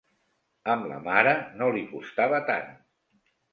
Amb la mare no li costava tant.